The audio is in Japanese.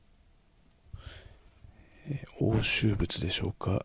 押収物でしょうか。